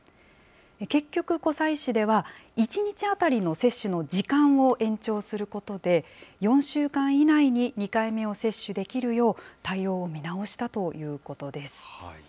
結局、湖西市では、１日当たりの接種の時間を延長することで、４週間以内に２回目を接種できるよう、対応を見直したということです。